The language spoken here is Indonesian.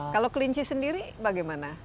kalau kelinci sendiri bagaimana